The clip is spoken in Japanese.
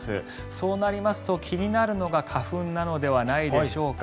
そうなりますと気になるのが花粉なのではないでしょうか。